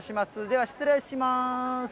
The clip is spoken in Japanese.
では、失礼します。